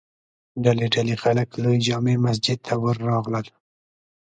ډلې ډلې خلک لوی جامع مسجد ته ور راغلل.